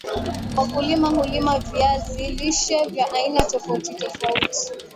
wakulima hulima viazi lishe vya aina tofauti tofauti